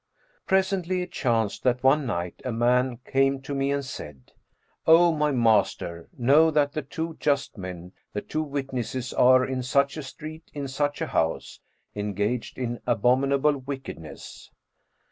Presently it chanced that one night, a man came to me and said, 'O my master, know that the two just men, the two witnesses, are in such a street in such a house, engaged in abominable wickedness.'